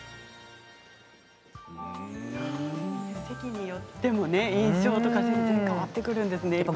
席によっても印象とか変わってくるんですね。